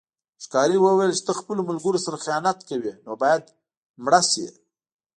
ښکاري وویل چې ته خپلو ملګرو سره خیانت کوې نو باید مړه شې.